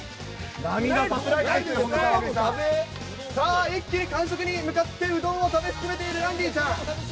さあ、一気に完食に向かってうどんを食べ進めているランディちゃん。